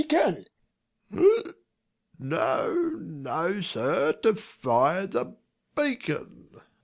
Second W. No, no, sir, to fire the beacon.